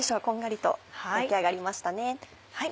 こんがりと焼き上がりましたね。